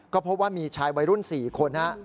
ก็พบว่ามีชายวัยรุ่น๔คนฮะ